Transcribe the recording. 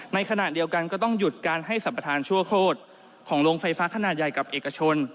ในขณะเดียวกันก็ต้องหยุดการให้สัมประธานชั่วโคตรของโรงไฟฟ้าขนาดใหญ่กับเอกชน